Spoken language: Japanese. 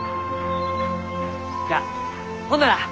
じゃあほんなら。